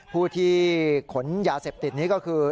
ผู้ที่ขนยาเสพติดนี้ก็คือ